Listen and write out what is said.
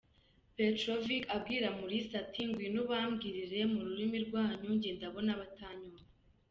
Petrovic abwira Mulisa ati ngwino ubambwirire mu rurimi rwanyu njye ndabona batanyumva